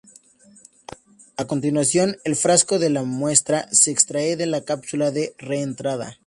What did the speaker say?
A continuación, el frasco de la muestra se extrae de la cápsula de reentrada.